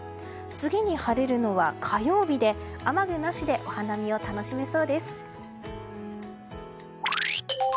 次に晴れるのは、火曜日で雨具なしでお花見を楽しめそうです。